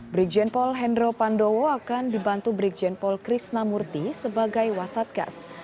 brigjen pol hendro pandowo akan dibantu brigjen pol krisna murdi sebagai wasatgas